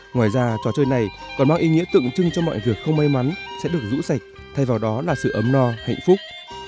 ngoài ra trò chơi này còn mang ý nghĩa tượng trưng cho mọi việc không may mắn sẽ được rũ sạch thay vào đó là sự ấm no hạnh phúc